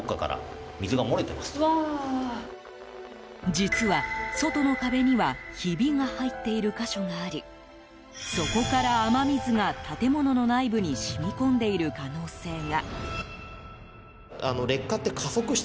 実は、外の壁にはひびが入っている箇所がありそこから雨水が建物の内部に染み込んでいる可能性が。